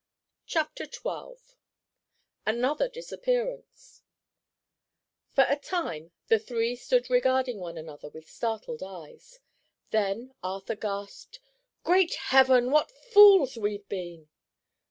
_" CHAPTER XII—ANOTHER DISAPPEARANCE For a time the three stood regarding one another with startled eyes. Then Arthur gasped: "Great heaven! what fools we've been."